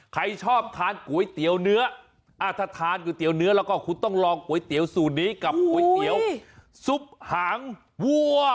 ใครช้อทานก๋วยเตี๋ยวเนื้ออ่ะถ้าทานแล้วก็คุณต้องลองก๋วยเตี๋ยวสูตรนี้กับก๋วยเตี๋ยวซุบหางวัว